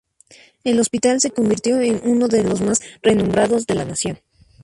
El hospital se convirtió en uno de los más renombrados de la nación.